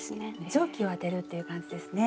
蒸気をあてるっていう感じですね。